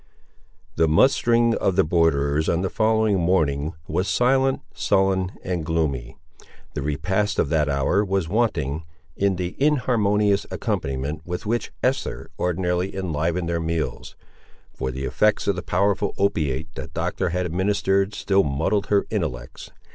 The mustering of the borderers on the following morning was silent, sullen, and gloomy. The repast of that hour was wanting in the inharmonious accompaniment with which Esther ordinarily enlivened their meals; for the effects of the powerful opiate the Doctor had administered still muddled her intellects.